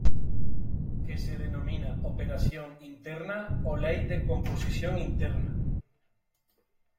Que se denomina Operación interna o ley de composición interna.